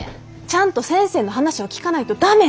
ちゃんと先生の話を聞かないと駄目。